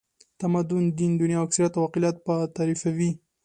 تمدن، دین، دنیا او اکثریت او اقلیت به تعریفوي.